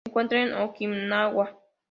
Se encuentra en Okinawa.